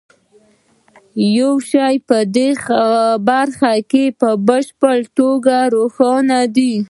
یو شی په دې برخه کې په بشپړه توګه روښانه دی